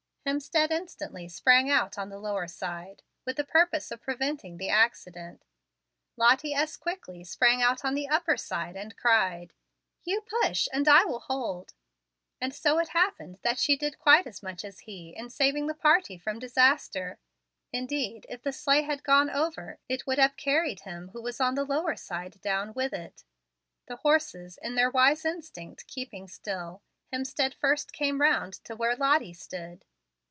Hemstead instantly sprang out on the lower side, with the purpose of preventing the accident. Lottie as quickly sprang out on the upper side, and cried: "You push, and I will hold"; and so it happened that she did quite as much as he in saving the party from disaster. Indeed, if the sleigh had gone over, it would have carried him who was on the lower side down with it. The horses, in their wise instinct, keeping still, Hemstead first came round to where Lottie stood.